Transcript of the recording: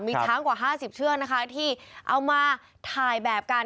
มีช้างกว่า๕๐เชือกนะคะที่เอามาถ่ายแบบกัน